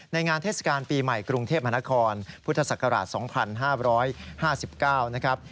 งานเทศกาลปีใหม่กรุงเทพมหานครพุทธศักราช๒๕๕๙นะครับ